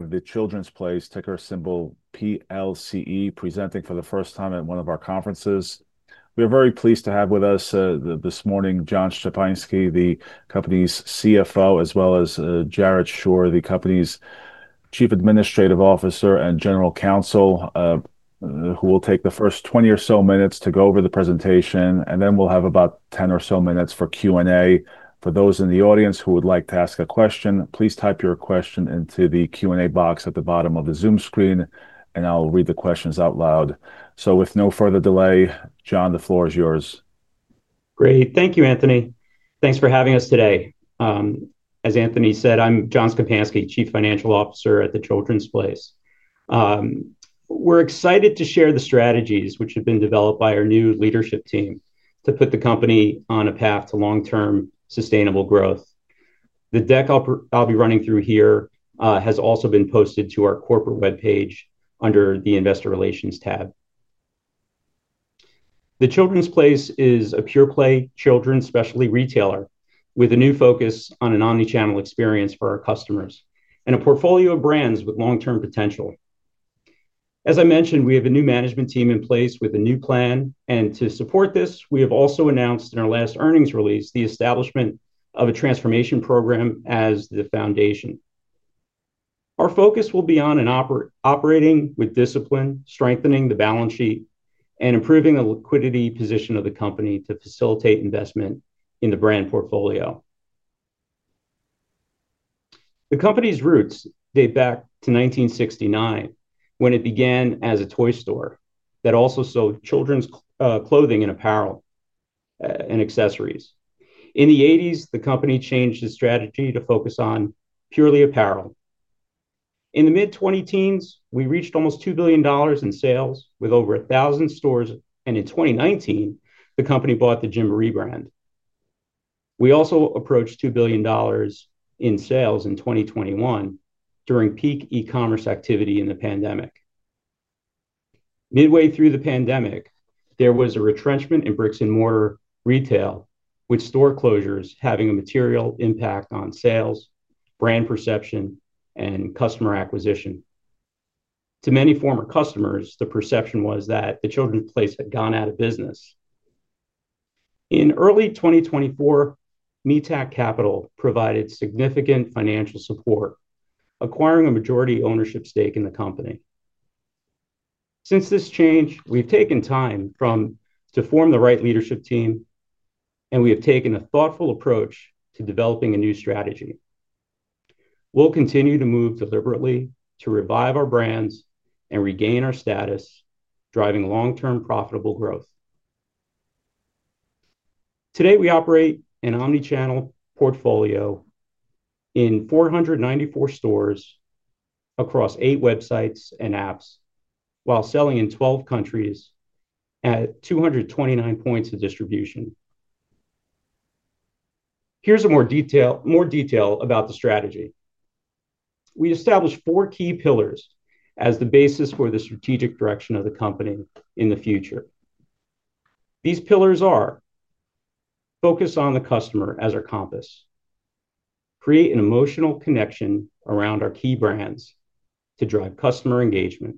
The Children's Place, ticker symbol PLCE, presenting for the first time at one of our conferences. We are very pleased to have with us this morning John Szczepański, the company's CFO, as well as Jared Schur, the company's Chief Administrative Officer and General Counsel, who will take the first 20 or so minutes to go over the presentation. We'll have about 10 or so minutes for Q&A. For those in the audience who would like to ask a question, please type your question into the Q&A box at the bottom of the Zoom screen, and I'll read the questions out loud. With no further delay, John, the floor is yours. Great, thank you, Anthony. Thanks for having us today. As Anthony said, I'm John Szczepański, Chief Financial Officer at The Children's Place. We're excited to share the strategies which have been developed by our new leadership team to put the company on a path to long-term sustainable growth. The deck I'll be running through here has also been posted to our corporate web page under the Investor Relations tab. The Children's Place is a pure-play children's specialty retailer with a new focus on an omnichannel experience for our customers and a portfolio of brands with long-term potential. As I mentioned, we have a new management team in place with a new plan, and to support this, we have also announced in our last earnings release the establishment of a transformation program as the foundation. Our focus will be on operating with discipline, strengthening the balance sheet, and improving the liquidity position of the company to facilitate investment in the brand portfolio. The company's roots date back to 1969 when it began as a toy store that also sold children's clothing and apparel and accessories. In the '80s, the company changed its strategy to focus on purely apparel. In the mid-2010s and teens, we reached almost $2 billion in sales with over 1,000 stores, and in 2019, the company bought the Gymboree brand. We also approached $2 billion in sales in 2021 during peak e-commerce activity in the pandemic. Midway through the pandemic, there was a retrenchment in bricks and mortar retail with store closures having a material impact on sales, brand perception, and customer acquisition. To many former customers, the perception was that The Children's Place had gone out of business. In early 2024, Mithaq Capital provided significant financial support, acquiring a majority ownership stake in the company. Since this change, we've taken time to form the right leadership team, and we have taken a thoughtful approach to developing a new strategy. We'll continue to move deliberately to revive our brands and regain our status, driving long-term profitable growth. Today, we operate an omnichannel portfolio in 494 stores across eight websites and apps, while selling in 12 countries at 229 points of distribution. Here's more detail about the strategy. We established four key pillars as the basis for the strategic direction of the company in the future. These pillars are: focus on the customer as our compass, create an emotional connection around our key brands to drive customer engagement,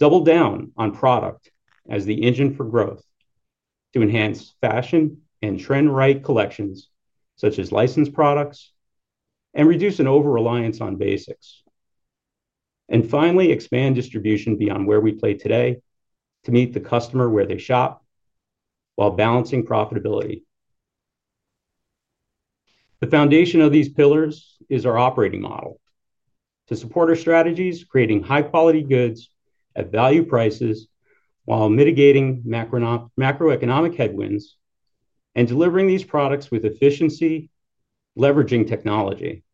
double down on product as the engine for growth to enhance fashion and trend-right collections such as licensed products, and reduce an over-reliance on basics, and finally expand distribution beyond where we play today to meet the customer where they shop while balancing profitability. The foundation of these pillars is our operating model. To support our strategies, creating high-quality goods at value prices while mitigating macroeconomic headwinds and delivering these products with efficiency, leveraging technology.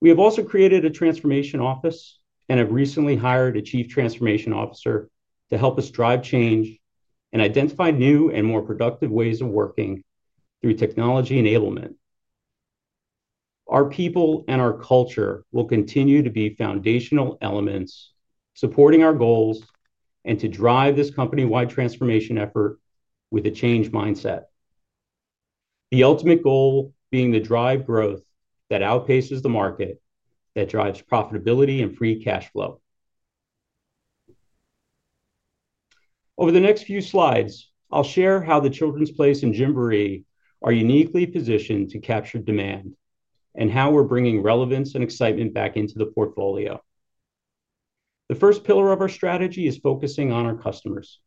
We have also created a transformation office and have recently hired a Chief Transformation Officer to help us drive change and identify new and more productive ways of working through technology enablement. Our people and our culture will continue to be foundational elements supporting our goals and to drive this company-wide transformation effort with a change mindset. The ultimate goal being to drive growth that outpaces the market, that drives profitability and free cash flow. Over the next few slides, I'll share how The Children's Place and Gymboree are uniquely positioned to capture demand and how we're bringing relevance and excitement back into the portfolio. The first pillar of our strategy is focusing on our customers.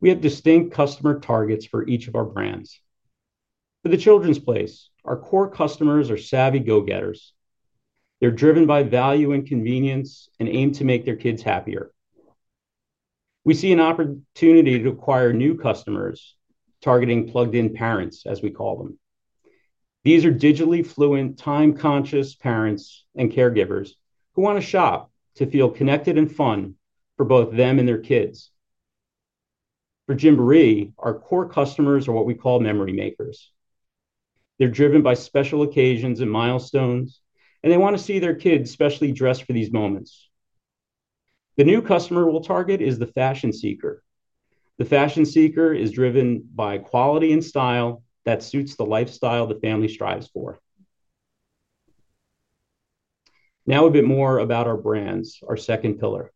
We have distinct customer targets for each of our brands. For The Children's Place, our core customers are savvy go-getters. They're driven by value and convenience and aim to make their kids happier. We see an opportunity to acquire new customers, targeting plugged-in parents, as we call them. These are digitally fluent, time-conscious parents and caregivers who want to shop to feel connected and fun for both them and their kids. For Gymboree, our core customers are what we call memory makers. They're driven by special occasions and milestones, and they want to see their kids specially dressed for these moments. The new customer we'll target is the fashion seeker. The fashion seeker is driven by quality and style that suits the lifestyle the family strives for. Now a bit more about our brands, our second pillar.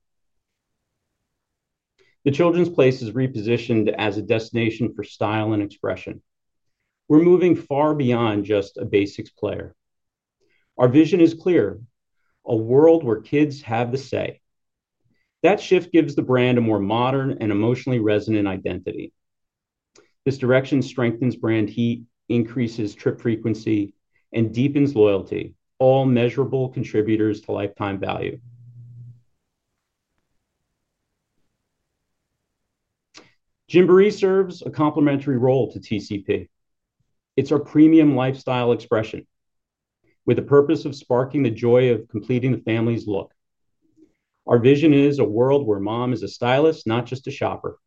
The Children's Place is repositioned as a destination for style and expression. We're moving far beyond just a basics player. Our vision is clear: a world where kids have the say. That shift gives the brand a more modern and emotionally resonant identity. This direction strengthens brand heat, increases trip frequency, and deepens loyalty, all measurable contributors to lifetime value. Gymboree serves a complementary role to The Children's Place. It's our premium lifestyle expression with the purpose of sparking the joy of completing the family's look. Our vision is a world where mom is a stylist, not just a shopper.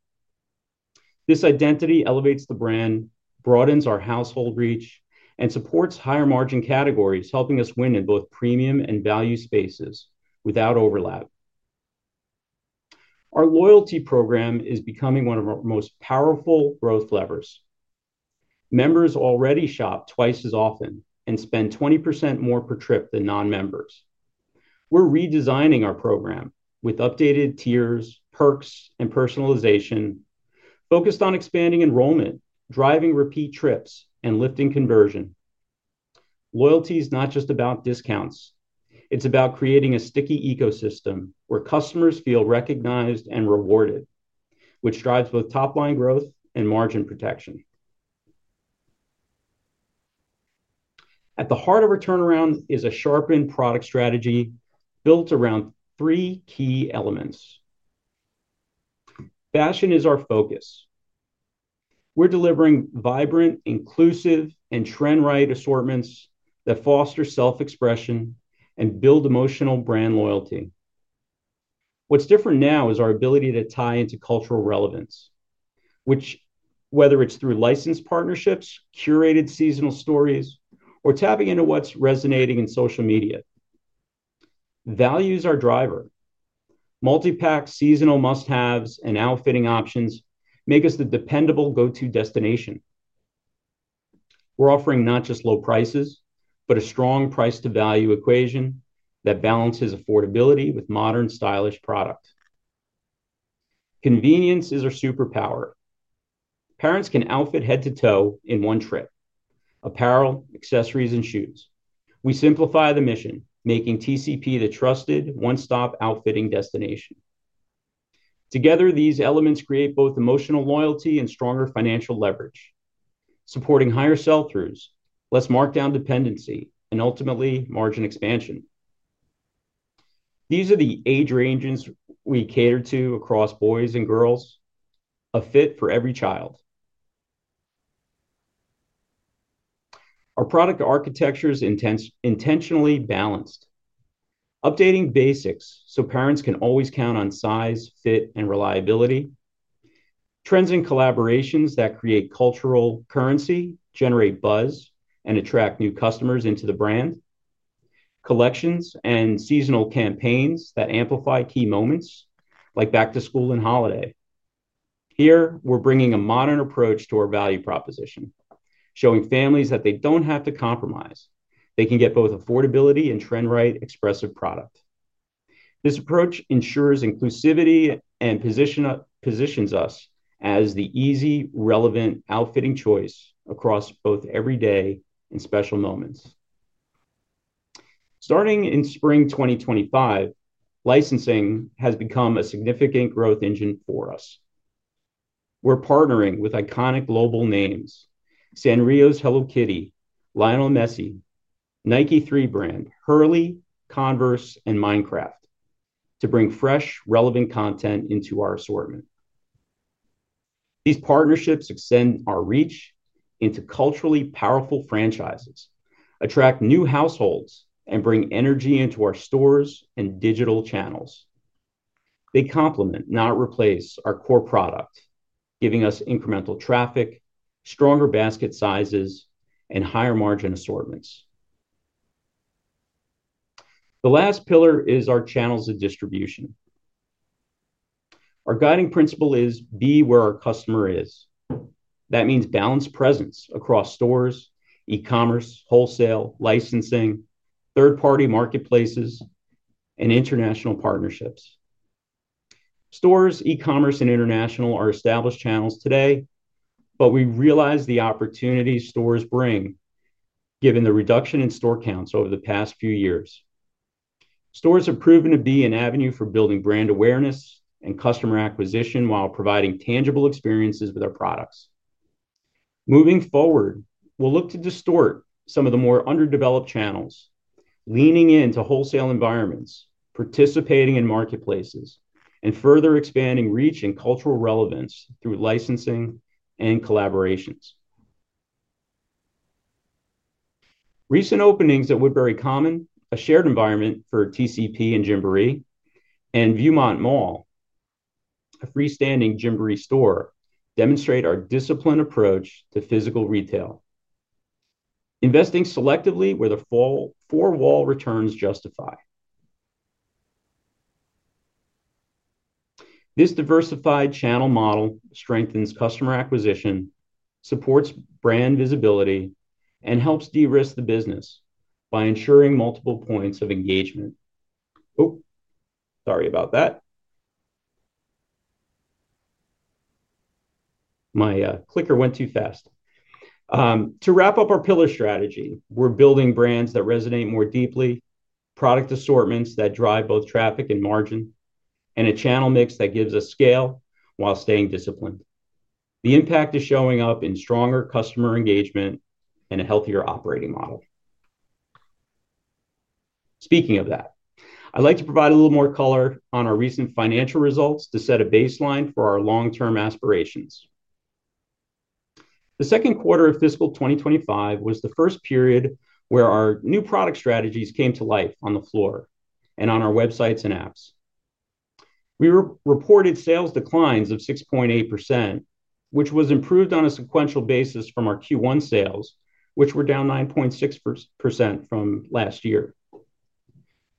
This identity elevates the brand, broadens our household reach, and supports higher margin categories, helping us win in both premium and value spaces without overlap. Our loyalty program is becoming one of our most powerful growth levers. Members already shop twice as often and spend 20% more per trip than non-members. We're redesigning our program with updated tiers, perks, and personalization, focused on expanding enrollment, driving repeat trips, and lifting conversion. Loyalty is not just about discounts. It's about creating a sticky ecosystem where customers feel recognized and rewarded, which drives both top-line growth and margin protection. At the heart of our turnaround is a sharpened product strategy built around three key elements. Fashion is our focus. We're delivering vibrant, inclusive, and trend-right assortments that foster self-expression and build emotional brand loyalty. What's different now is our ability to tie into cultural relevance, whether it's through licensed partnerships, curated seasonal stories, or tapping into what's resonating in social media. Value is our driver. Multi-packed seasonal must-haves and outfitting options make us the dependable go-to destination. We're offering not just low prices, but a strong price-to-value equation that balances affordability with modern, stylish product. Convenience is our superpower. Parents can outfit head to toe in one trip: apparel, accessories, and shoes. We simplify the mission, making The Children's Place the trusted one-stop outfitting destination. Together, these elements create both emotional loyalty and stronger financial leverage, supporting higher sell-throughs, less markdown dependency, and ultimately margin expansion. These are the age ranges we cater to across boys and girls, a fit for every child. Our product architecture is intentionally balanced, updating basics so parents can always count on size, fit, and reliability. Trends and collaborations that create cultural currency generate buzz and attract new customers into the brand. Collections and seasonal campaigns that amplify key moments, like back-to-school season and holiday. Here, we're bringing a modern approach to our value proposition, showing families that they don't have to compromise. They can get both affordability and trend-right expressive product. This approach ensures inclusivity and positions us as the easy, relevant outfitting choice across both everyday and special moments. Starting in spring 2025, licensing has become a significant growth engine for us. We're partnering with iconic global names: Sanrio's Hello Kitty, Lionel Messi, Nike brand, Hurley, Converse, and Minecraft to bring fresh, relevant content into our assortment. These partnerships extend our reach into culturally powerful franchises, attract new households, and bring energy into our stores and digital channels. They complement, not replace, our core product, giving us incremental traffic, stronger basket sizes, and higher margin assortments. The last pillar is our channels of distribution. Our guiding principle is be where our customer is. That means balanced presence across stores, e-commerce, wholesale, licensing, third-party marketplaces, and international partnerships. Stores, e-commerce, and international are established channels today, but we realize the opportunities stores bring, given the reduction in store counts over the past few years. Stores have proven to be an avenue for building brand awareness and customer acquisition while providing tangible experiences with our products. Moving forward, we'll look to distort some of the more underdeveloped channels, leaning into wholesale environments, participating in marketplaces, and further expanding reach and cultural relevance through licensing and collaborations. Recent openings at Woodbury Common, a shared environment for The Children's Place and Gymboree, and Viewmont Mall, a freestanding Gymboree store, demonstrate our disciplined approach to physical retail, investing selectively where the four-wall returns justify. This diversified channel model strengthens customer acquisition, supports brand visibility, and helps de-risk the business by ensuring multiple points of engagement. To wrap up our pillar strategy, we're building brands that resonate more deeply, product assortments that drive both traffic and margin, and a channel mix that gives us scale while staying disciplined. The impact is showing up in stronger customer engagement and a healthier operating model. Speaking of that, I'd like to provide a little more color on our recent financial results to set a baseline for our long-term aspirations. The second quarter of fiscal 2025 was the first period where our new product strategies came to life on the floor and on our websites and apps. We reported sales declines of 6.8%, which was improved on a sequential basis from our Q1 sales, which were down 9.6% from last year.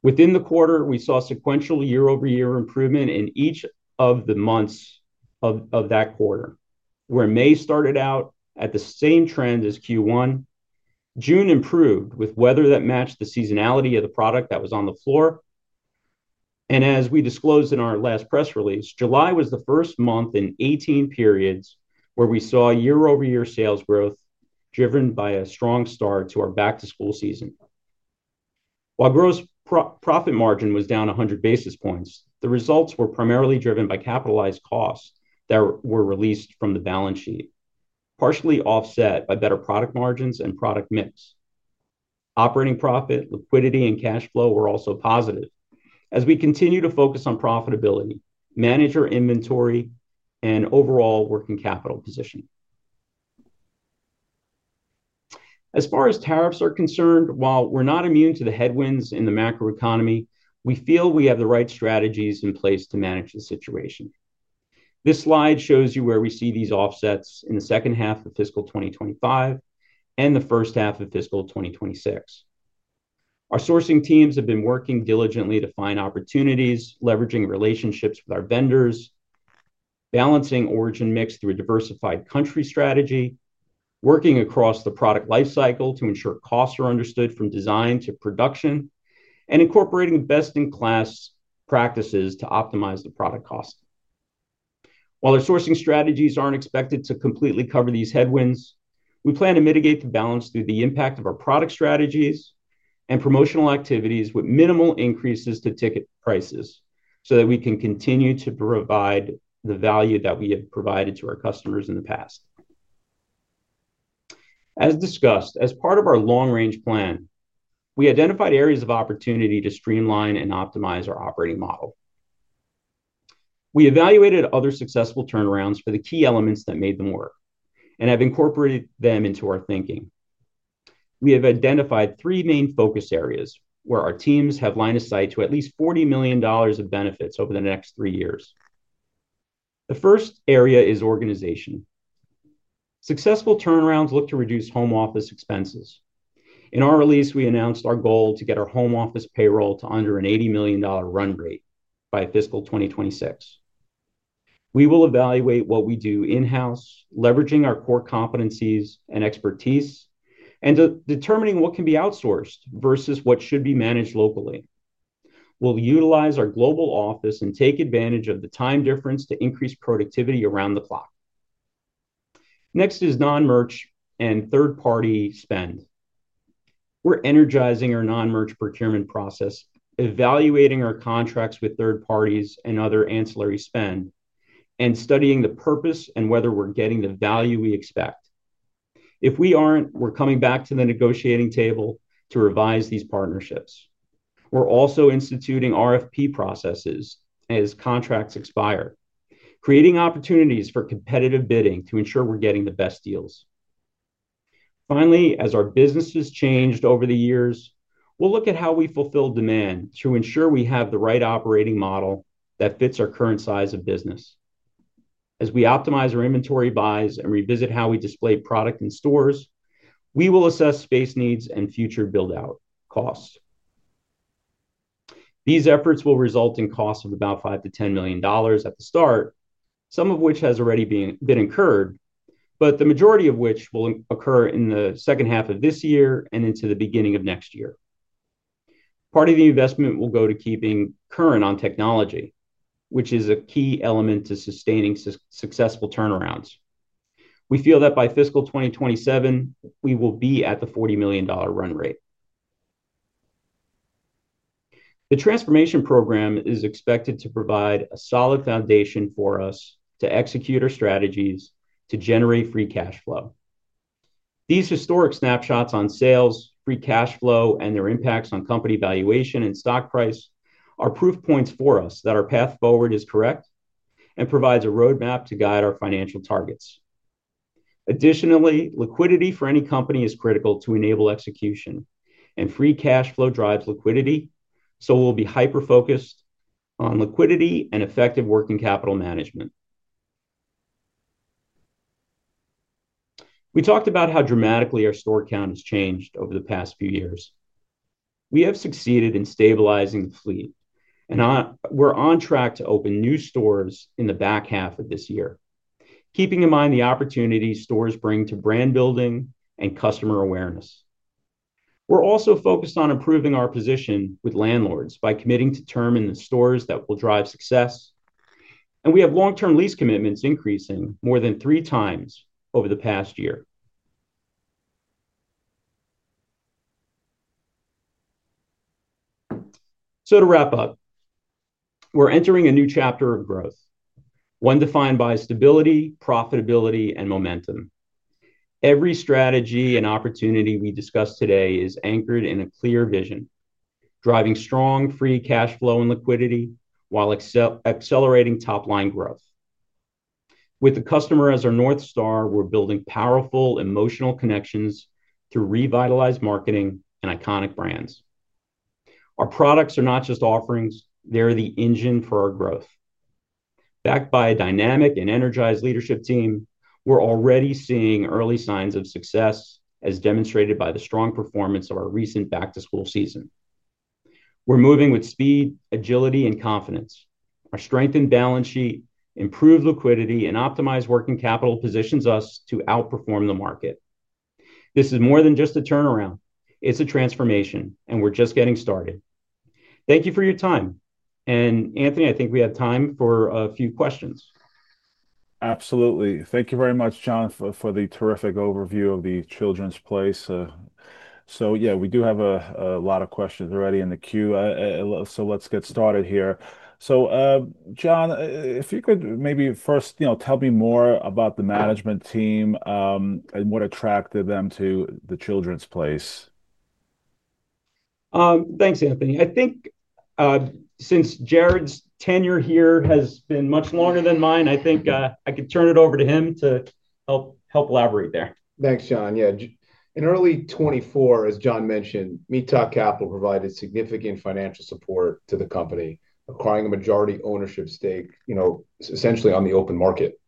Within the quarter, we saw sequential year-over-year improvement in each of the months of that quarter, where May started out at the same trends as Q1. June improved with weather that matched the seasonality of the product that was on the floor. As we disclosed in our last press release, July was the first month in 18 periods where we saw year-over-year sales growth driven by a strong start to our back-to-school season. While gross profit margin was down 100 basis points, the results were primarily driven by capitalized costs that were released from the balance sheet, partially offset by better product margins and product mix. Operating profit, liquidity, and cash flow were also positive. We continue to focus on profitability, manage our inventory, and overall working capital position. As far as tariffs are concerned, while we're not immune to the headwinds in the macroeconomy, we feel we have the right strategies in place to manage the situation. This slide shows you where we see these offsets in the second half of fiscal 2025 and the first half of fiscal 2026. Our sourcing teams have been working diligently to find opportunities, leveraging relationships with our vendors, balancing origin mix through a diversified country strategy, working across the product lifecycle to ensure costs are understood from design to production, and incorporating best-in-class practices to optimize the product cost. While our sourcing strategies aren't expected to completely cover these headwinds, we plan to mitigate the balance through the impact of our product strategies and promotional activities with minimal increases to ticket prices so that we can continue to provide the value that we have provided to our customers in the past. As discussed, as part of our long-range plan, we identified areas of opportunity to streamline and optimize our operating model. We evaluated other successful turnarounds for the key elements that made them work and have incorporated them into our thinking. We have identified three main focus areas where our teams have line of sight to at least $40 million of benefits over the next three years. The first area is organization. Successful turnarounds look to reduce home office expenses. In our release, we announced our goal to get our home office payroll to under an $80 million run rate by fiscal 2026. We will evaluate what we do in-house, leveraging our core competencies and expertise, and determining what can be outsourced versus what should be managed locally. We'll utilize our global office and take advantage of the time difference to increase productivity around the clock. Next is non-merch and third-party spend. We're energizing our non-merch procurement process, evaluating our contracts with third parties and other ancillary spend, and studying the purpose and whether we're getting the value we expect. If we aren't, we're coming back to the negotiating table to revise these partnerships. We're also instituting RFP processes as contracts expire, creating opportunities for competitive bidding to ensure we're getting the best deals. Finally, as our business has changed over the years, we'll look at how we fulfill demand to ensure we have the right operating model that fits our current size of business. As we optimize our inventory buys and revisit how we display product in stores, we will assess space needs and future build-out costs. These efforts will result in costs of about $5 to $10 million at the start, some of which has already been incurred, but the majority of which will occur in the second half of this year and into the beginning of next year. Part of the investment will go to keeping current on technology, which is a key element to sustaining successful turnarounds. We feel that by fiscal 2027, we will be at the $40 million run rate. The transformation program is expected to provide a solid foundation for us to execute our strategies to generate free cash flow. These historic snapshots on sales, free cash flow, and their impacts on company valuation and stock price are proof points for us that our path forward is correct and provide a roadmap to guide our financial targets. Additionally, liquidity for any company is critical to enable execution, and free cash flow drives liquidity. We'll be hyper-focused on liquidity and effective working capital management. We talked about how dramatically our store count has changed over the past few years. We have succeeded in stabilizing the fleet, and we're on track to open new stores in the back half of this year, keeping in mind the opportunity stores bring to brand building and customer awareness. We're also focused on improving our position with landlords by committing to term in the stores that will drive success. We have long-term lease commitments increasing more than three times over the past year. To wrap up, we're entering a new chapter of growth, one defined by stability, profitability, and momentum. Every strategy and opportunity we discussed today is anchored in a clear vision, driving strong free cash flow and liquidity while accelerating top-line growth. With the customer as our North Star, we're building powerful emotional connections to revitalize marketing and iconic brands. Our products are not just offerings; they're the engine for our growth. Backed by a dynamic and energized leadership team, we're already seeing early signs of success, as demonstrated by the strong performance of our recent back-to-school season. We're moving with speed, agility, and confidence. Our strengthened balance sheet, improved liquidity, and optimized working capital positions us to outperform the market. This is more than just a turnaround. It's a transformation, and we're just getting started. Thank you for your time. Anthony, I think we have time for a few questions. Absolutely. Thank you very much, John, for the terrific overview of The Children's Place. We do have a lot of questions already in the queue. Let's get started here. John, if you could maybe first tell me more about the management team and what attracted them to The Children's Place. Thanks, Anthony. I think since Jared's tenure here has been much longer than mine, I think I could turn it over to him to help elaborate there. Thanks, John. Yeah, in early 2024, as John mentioned, Mithaq Capital provided significant financial support to the company, acquiring the majority ownership stake, you know, essentially on the open market.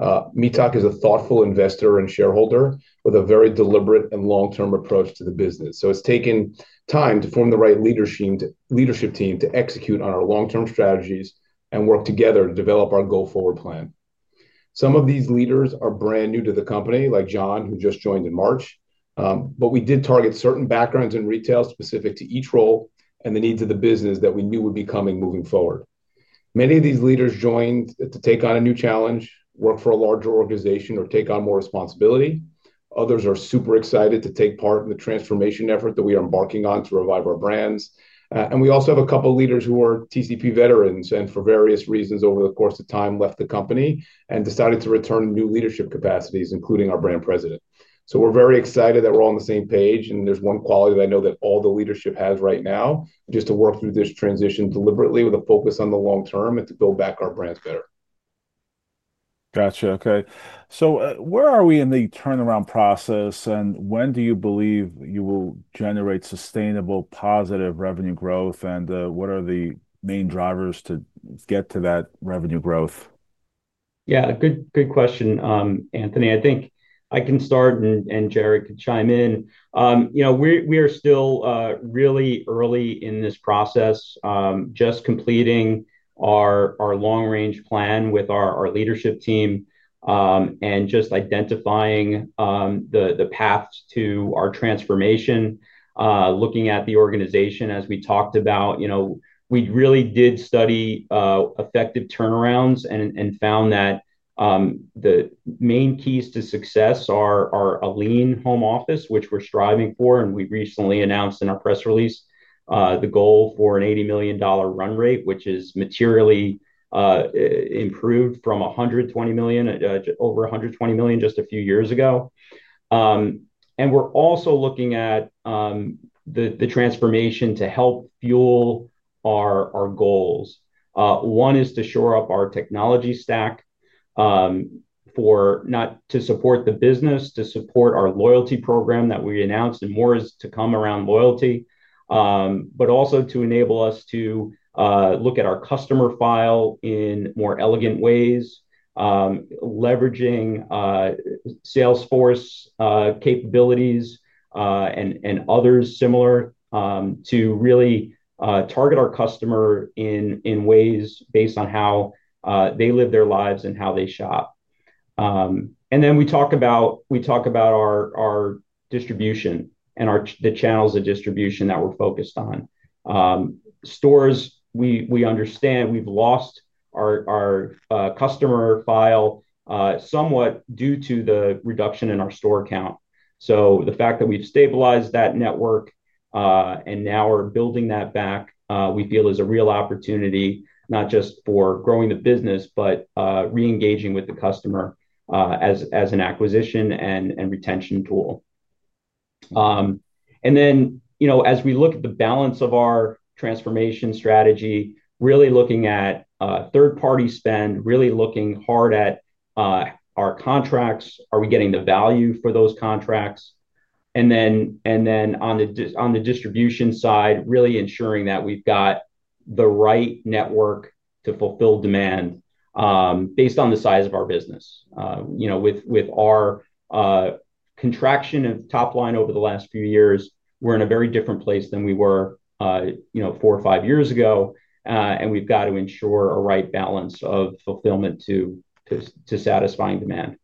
Mithaq is a thoughtful investor and shareholder with a very deliberate and long-term approach to the business. It's taken time to form the right leadership team to execute on our long-term strategies and work together to develop our go-forward plan. Some of these leaders are brand new to the company, like John, who just joined in March. We did target certain backgrounds in retail specific to each role and the needs of the business that we knew would be coming moving forward. Many of these leaders joined to take on a new challenge, work for a larger organization, or take on more responsibility. Others are super excited to take part in the transformation effort that we are embarking on to revive our brands. We also have a couple of leaders who are TCP veterans and for various reasons over the course of time left the company and decided to return to new leadership capacities, including our Brand President. We're very excited that we're on the same page. There's one quality that I know that all the leadership has right now, just to work through this transition deliberately with a focus on the long term and to build back our brands better. Gotcha. OK. Where are we in the turnaround process, and when do you believe you will generate sustainable, positive revenue growth, and what are the main drivers to get to that revenue growth? Yeah, good question, Anthony. I think I can start, and Jared could chime in. We are still really early in this process, just completing our long-range plan with our leadership team and just identifying the path to our transformation, looking at the organization. As we talked about, we really did study effective turnarounds and found that the main keys to success are a lean home office, which we're striving for. We recently announced in our press release the goal for an $80 million run rate, which is materially improved from $120 million, over $120 million just a few years ago. We're also looking at the transformation to help fuel our goals. One is to shore up our technology stack to support the business, to support our loyalty program that we announced. More is to come around loyalty, but also to enable us to look at our customer file in more elegant ways, leveraging Salesforce capabilities and others similar to really target our customer in ways based on how they live their lives and how they shop. We talk about our distribution and the channels of distribution that we're focused on. Stores, we understand we've lost our customer file somewhat due to the reduction in our store count. The fact that we've stabilized that network and now are building that back, we feel is a real opportunity, not just for growing the business, but reengaging with the customer as an acquisition and retention tool. As we look at the balance of our transformation strategy, really looking at third-party spend, really looking hard at our contracts. Are we getting the value for those contracts? On the distribution side, really ensuring that we've got the right network to fulfill demand based on the size of our business. With our contraction in top line over the last few years, we're in a very different place than we were four or five years ago. We've got to ensure a right balance of fulfillment to satisfying demand.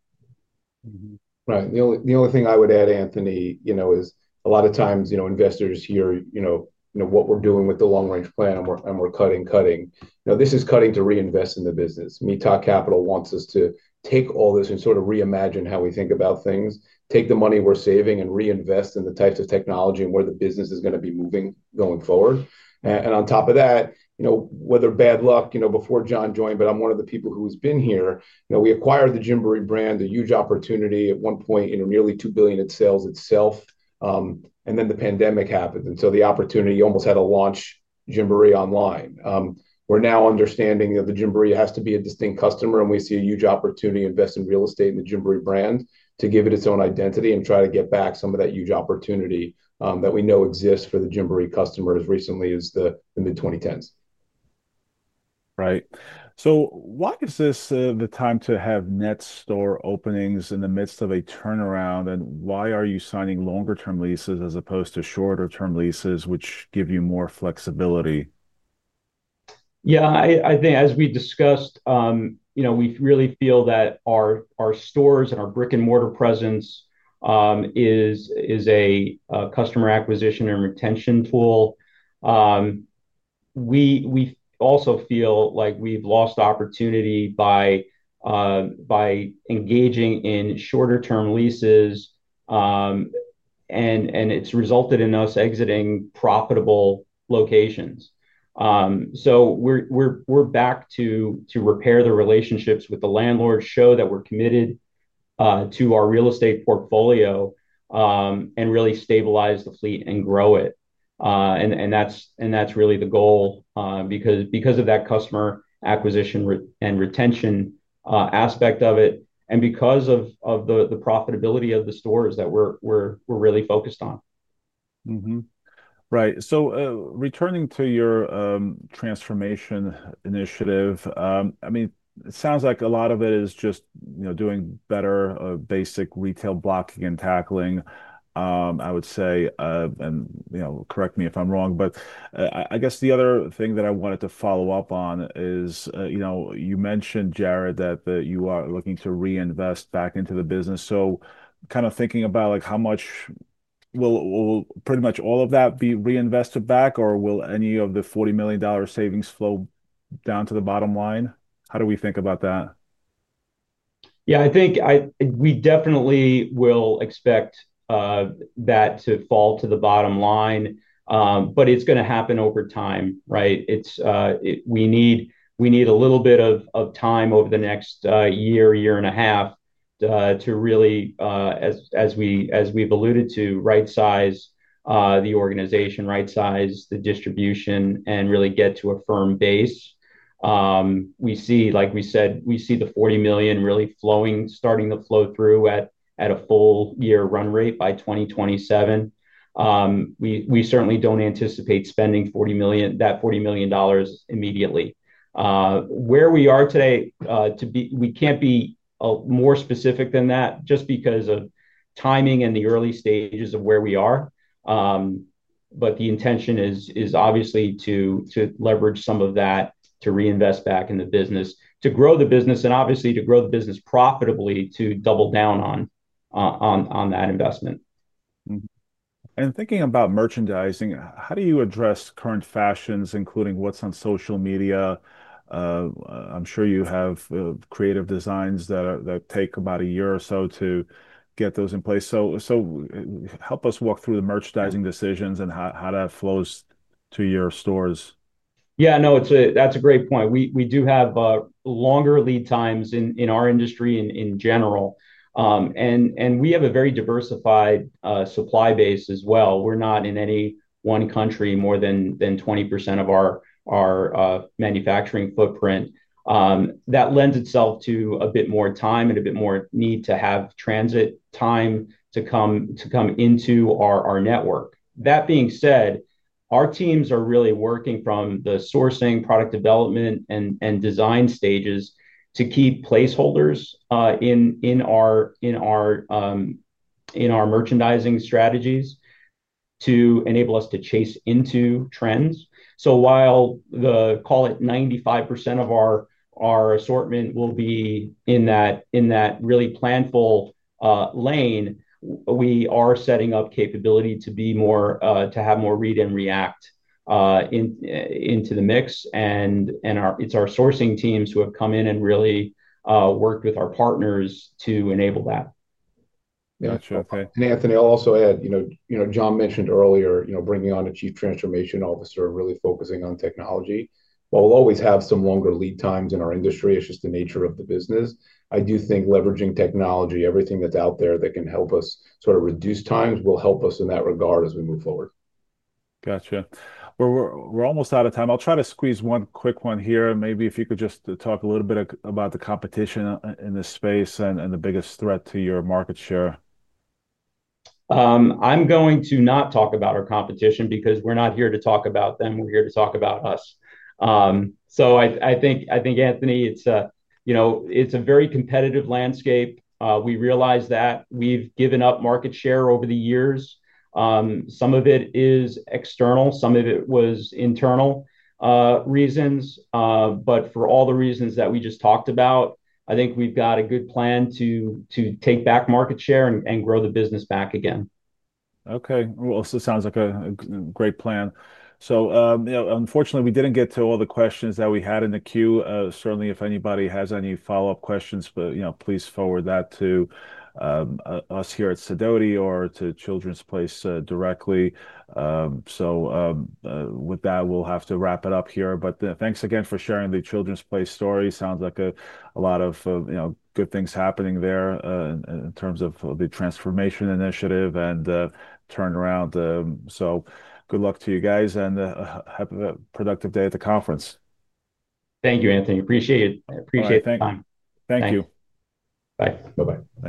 Right. The only thing I would add, Anthony, is a lot of times, investors hear what we're doing with the long-range plan and we're cutting, cutting. This is cutting to reinvest in the business. Mithaq Capital wants us to take all this and sort of reimagine how we think about things, take the money we're saving, and reinvest in the types of technology and where the business is going to be moving going forward. On top of that, whether bad luck before John joined, but I'm one of the people who's been here. We acquired the Gymboree brand, a huge opportunity at one point, nearly $2 billion in sales itself. Then the pandemic happened. The opportunity almost had to launch Gymboree online. We're now understanding that Gymboree has to be a distinct customer, and we see a huge opportunity to invest in real estate in the Gymboree brand to give it its own identity and try to get back some of that huge opportunity that we know exists for the Gymboree customer as recently as the mid-2010s. Right. Why is this the time to have net store openings in the midst of a turnaround, and why are you signing longer-term leases as opposed to shorter-term leases, which give you more flexibility? Yeah, I think as we discussed, we really feel that our stores and our brick-and-mortar presence is a customer acquisition and retention tool. We also feel like we've lost opportunity by engaging in shorter-term leases, and it's resulted in us exiting profitable locations. We're back to repair the relationships with the landlords, show that we're committed to our real estate portfolio, and really stabilize the fleet and grow it. That's really the goal because of that customer acquisition and retention aspect of it and because of the profitability of the stores that we're really focused on. Right. Returning to your transformation initiative, it sounds like a lot of it is just doing better basic retail blocking and tackling, I would say. You know, correct me if I'm wrong, but I guess the other thing that I wanted to follow up on is, you mentioned, Jared, that you are looking to reinvest back into the business. Kind of thinking about how much will pretty much all of that be reinvested back, or will any of the $40 million savings flow down to the bottom line? How do we think about that? Yeah, I think we definitely will expect that to fall to the bottom line, but it's going to happen over time, right? We need a little bit of time over the next year, year and a half to really, as we've alluded to, right-size the organization, right-size the distribution, and really get to a firm base. We see, like we said, we see the $40 million really starting to flow through at a full-year run rate by 2027. We certainly don't anticipate spending that $40 million immediately. Where we are today, we can't be more specific than that just because of timing and the early stages of where we are. The intention is obviously to leverage some of that to reinvest back in the business, to grow the business, and obviously to grow the business profitably to double down on that investment. Thinking about merchandising, how do you address current fashions, including what's on social media? I'm sure you have creative designs that take about a year or so to get those in place. Help us walk through the merchandising decisions and how that flows to your stores. Yeah, no, that's a great point. We do have longer lead times in our industry in general. We have a very diversified supply base as well. We're not in any one country more than 20% of our manufacturing footprint. That lends itself to a bit more time and a bit more need to have transit time to come into our network. That being said, our teams are really working from the sourcing, product development, and design stages to keep placeholders in our merchandising strategies to enable us to chase into trends. While 95% of our assortment will be in that really planful lane, we are setting up capability to have more read and react into the mix. It's our sourcing teams who have come in and really worked with our partners to enable that. Gotcha. OK. Anthony, I'll also add, you know, John mentioned earlier, you know, bringing on a Chief Transformation Officer really focusing on technology. While we'll always have some longer lead times in our industry, it's just the nature of the business. I do think leveraging technology, everything that's out there that can help us sort of reduce times will help us in that regard as we move forward. Gotcha. We're almost out of time. I'll try to squeeze one quick one here. Maybe if you could just talk a little bit about the competition in this space and the biggest threat to your market share. I'm going to not talk about our competition because we're not here to talk about them. We're here to talk about us. I think, Anthony, it's a very competitive landscape. We realize that we've given up market share over the years. Some of it is external. Some of it was internal reasons. For all the reasons that we just talked about, I think we've got a good plan to take back market share and grow the business back again. OK. This sounds like a great plan. Unfortunately, we didn't get to all the questions that we had in the queue. Certainly, if anybody has any follow-up questions, please forward that to us here at Sadotti or to The Children's Place directly. With that, we'll have to wrap it up here. Thanks again for sharing The Children's Place story. Sounds like a lot of good things happening there in terms of the transformation initiative and turnaround. Good luck to you guys, and have a productive day at the conference. Thank you, Anthony. Appreciate it. All right, thanks. Thank you. Bye. Bye-bye. Bye.